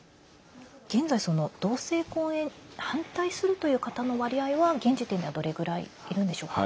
現在、同性婚へ反対するという方の割合は現時点ではどれぐらい、いるんでしょうか？